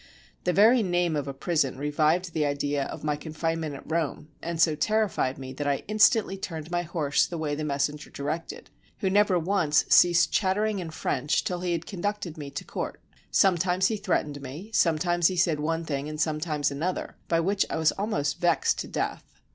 The very name of a prison revived the idea of my confinement at Rome, and so terrified me that I instantly turned my horse the way the messenger directed, who never once ceased chattering in French till he had conducted me to court: sometimes he threatened me, sometimes he said one thing and sometimes another, by which I was almost vexed to death.